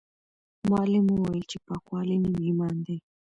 معلم وویل چې پاکوالی نیم ایمان دی.